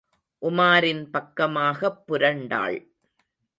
உமாரின் பக்கமாகப் புரண்டாள்.